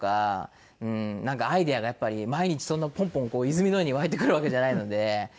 なんかアイデアがやっぱり毎日そんなポンポン泉のように湧いてくるわけじゃないので。